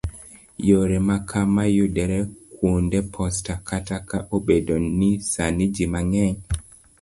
yore ma kamaa yudore kwonde posta, kata ka obedo ni sani ji mang'eny